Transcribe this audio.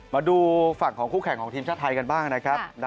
มาดูฝั่งของคู่แข่งของทีมชาติไทยกันบ้างนะครับ